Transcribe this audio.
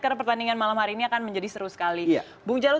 karena pertandingan malam hari ini akan menjadi pertandingan terakhir